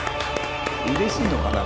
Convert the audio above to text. うれしいのかな？